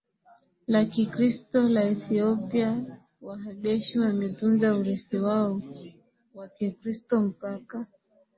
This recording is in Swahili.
la Kikristo la Ethiopia Wahabeshi wametunza urithi wao wa Kikristo mpaka